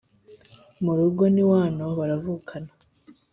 murugo n'iwano baravukana